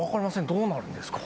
どうなるんですか？